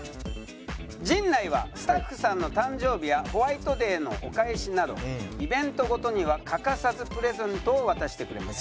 「陣内はスタッフさんの誕生日やホワイトデーのお返しなどイベント事には欠かさずプレゼントを渡してくれます」